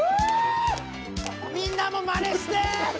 みんなもまねして。